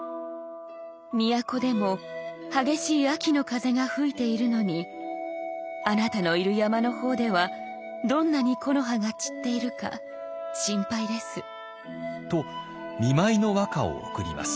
「都でも激しい秋の風が吹いているのにあなたのいる山の方ではどんなに木の葉が散っているか心配です」。と見舞いの和歌を贈ります。